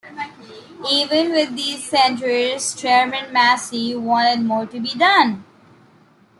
Even with these centers, Chairman Macy wanted more to be done.